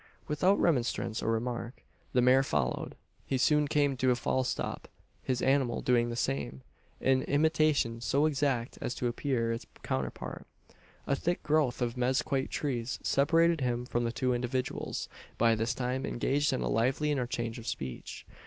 Without remonstrance, or remark, the mare followed. He soon came to a fall stop his animal doing the same, in imitation so exact as to appear its counterpart. A thick growth of mezquite trees separated him from the two individuals, by this time engaged in a lively interchange of speech.